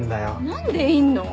何でいんの？